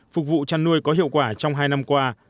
phục vụ chăn nuôi có hiệu quả trong hai năm qua